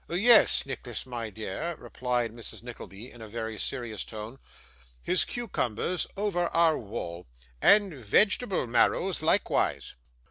'Yes, Nicholas, my dear,' replied Mrs. Nickleby in a very serious tone; 'his cucumbers over our wall. And vegetable marrows likewise.